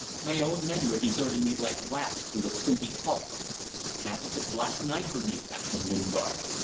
My own men were deserting me like rats do a sinking hulk. That was a black night for me, Captain Lingard.